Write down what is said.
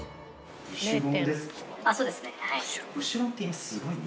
そうですね。